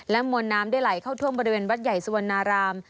และทวนที่มวลน้ำได้ไหลเข้าท่วมบริเวณวัดใหญ่สวนอาราม